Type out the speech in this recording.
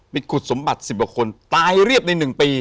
มีขุดสมบัติสิบกว่าคนตายเรียบในหนึ่งปี